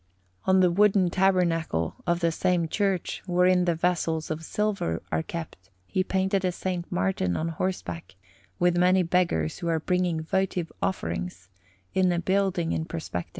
On the wooden tabernacle of the same church, wherein the vessels of silver are kept, he painted a S. Martin on horseback, with many beggars who are bringing votive offerings, in a building in perspective.